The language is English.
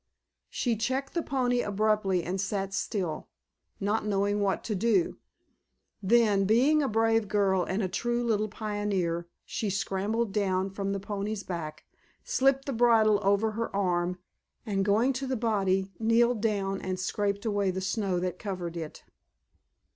She checked the pony abruptly and sat still, not knowing what to do. Then, being a brave girl and a true little pioneer, she scrambled down from the pony's back, slipped the bridle over her arm, and going to the body kneeled down and scraped away the snow that covered it.